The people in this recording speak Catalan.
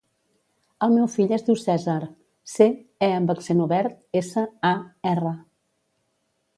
El meu fill es diu Cèsar: ce, e amb accent obert, essa, a, erra.